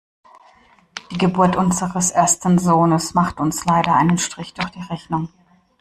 Die Geburt unseres ersten Sohnes macht uns leider einen Strich durch die Rechnung.